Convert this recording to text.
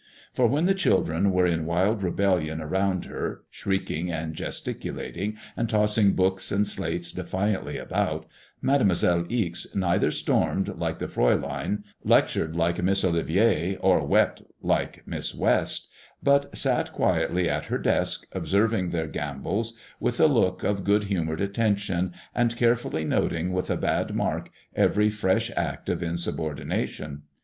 For when the child ren were in wild rebellion around her, shrieking and gesticulating and tossing books and slates de fiantly about, Mademoiselle Ixe neither stormed like the Praulein, lectured like Miss Olivier, or wept like Miss West, but sat quietly at her desk, observing their MADBMOISSLLB IXS. 35 gambols with a look of good humoured attention, and care fully noting with a bad mark every fresh act of insubordination.